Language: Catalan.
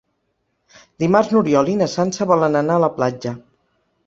Dimarts n'Oriol i na Sança volen anar a la platja.